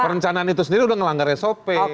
perencanaan itu sendiri udah ngelanggar sop